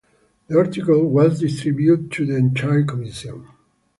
The article was distributed to the entire commission.